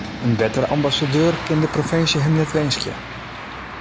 In bettere ambassadeur kin de provinsje him net winskje.